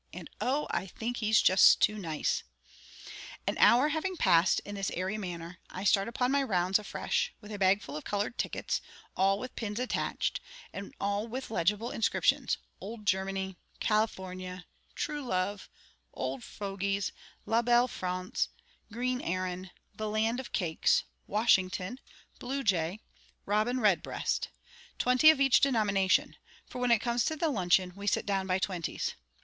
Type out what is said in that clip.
and "O, I think he's just too nice!" An hour having passed in this airy manner, I start upon my rounds afresh, with a bag full of coloured tickets, all with pins attached, and all with legible inscriptions: "Old Germany," "California," "True Love," "Old Fogies," "La Belle France," "Green Erin," "The Land of Cakes," "Washington," "Blue Jay," "Robin Red Breast," twenty of each denomination; for when it comes to the luncheon, we sit down by twenties.